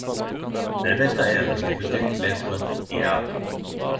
Men det beste er at eg har bestilt lesebrett i dag!